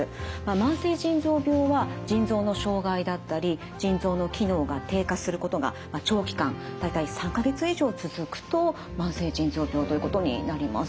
慢性腎臓病は腎臓の障害だったり腎臓の機能が低下することが長期間大体３か月以上続くと慢性腎臓病ということになります。